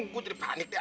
gue jadi panik deh